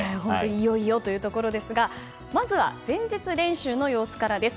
いよいよというところですがまずは前日練習の様子からです。